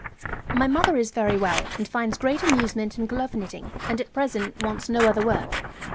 My mother is very well, and finds great amusement in glove knitting, and at present wants no other work.